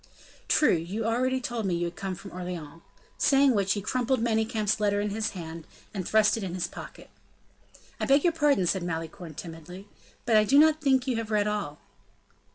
"True, you already told me you had come from Orleans;" saying which he crumpled Manicamp's letter in his hand, and thrust it in his pocket. "I beg your pardon," said Malicorne, timidly; "but I do not think you have read all."